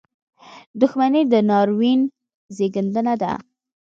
• دښمني د ناورین زیږنده ده.